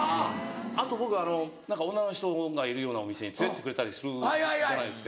あと僕あの女の人がいるようなお店に連れてってくれたりするいろんな人が。